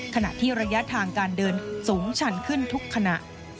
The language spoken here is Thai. ขณะที่ระยะทางการเดินสูงชันขึ้นทุกขณะ